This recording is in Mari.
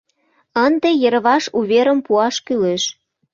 Ынде йырваш уверым пуаш кӱлеш.